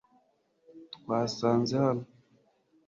twasanze hano